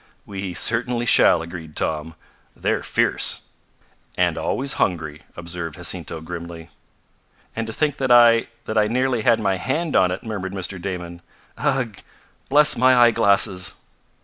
"We certainly shall," agreed Tom. "They're fierce." "And always hungry," observed Jacinto grimly. "And to think that I that I nearly had my hand on it," murmured Mr. Damon. "Ugh! Bless my eyeglasses!"